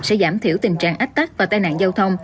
sẽ giảm thiểu tình trạng ách tắc và tai nạn giao thông